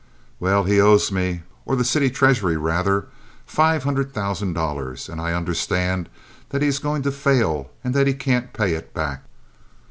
"Well, he owes me, or the city treasury rather, five hundred thousand dollars, and I understand that he is going to fail and that he can't pay it back."